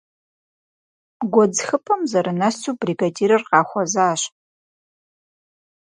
Гуэдз хыпӀэм зэрынэсу, бригадирыр къахуэзащ.